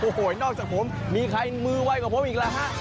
โอ้โหนอกจากผมมีใครมือไวกว่าผมอีกแล้วฮะ